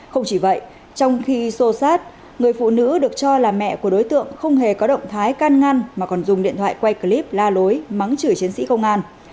không chỉ vậy trong khi sô sát người phụ nữ được cho là mẹ của đối tượng không hề có động thái can ngăn mà còn dùng điện thoại quay clip la lối mắng chửi chiến sĩ công an